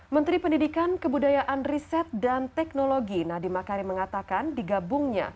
menteri pendidikan kebudayaan riset dan teknologi nadiem makarim mengatakan digabungnya